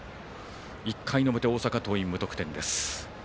１回の表、大阪桐蔭、無得点。